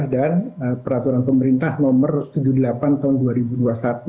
dan peraturan pemerintah nomor tujuh puluh delapan tahun dua ribu dua puluh satu